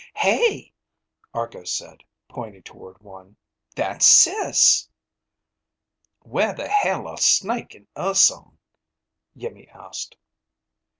"Hey," Argo said, pointing toward one. "That's Sis!" "Where the hell are Snake and Urson?" Iimmi asked.